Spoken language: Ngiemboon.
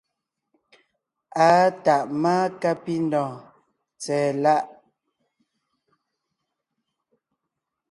Àa tàʼ máa kápindɔ̀ɔn tsɛ̀ɛ láʼ.